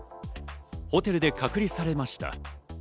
ホテルで隔離されました。